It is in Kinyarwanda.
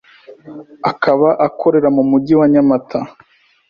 akaba akorera mu Mujyi wa Nyamata